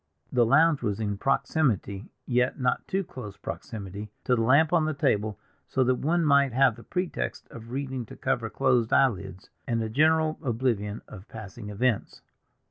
The lounge was in proximity—yet not too close proximity—to the lamp on the table; so that one might have the pretext of reading to cover closed eyelids and a general oblivion of passing events.